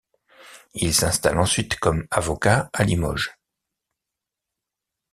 Il s'installe ensuite comme avocat à Limoges.